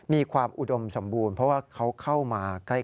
มีความอุดมสมบูรณ์เพราะว่าเขาเข้ามาใกล้